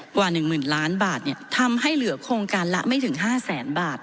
กว่าหนึ่งหมื่นล้านบาทเนี่ยทำให้เหลือโครงการละไม่ถึงห้าแสนบาท